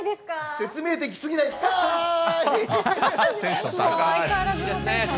説明的すぎないかーい！